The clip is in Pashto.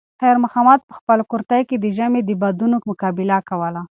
خیر محمد په خپل کورتۍ کې د ژمي د بادونو مقابله کوله.